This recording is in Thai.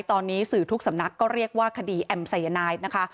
ตอนนี้สื่อทุกสำนักก็เรียกว่าคดีแอมสายนายนะคะ